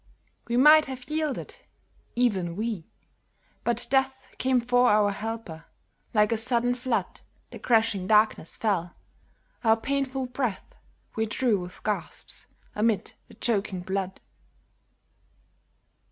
We might have yielded, even we, but death Came for our helper; like a sudden flood The crashing darkness fell; our painful breath We drew with gasps amid the choking blood.